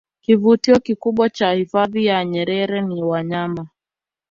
kivutio kikubwa cha hifadhi ya nyerer ni wanyama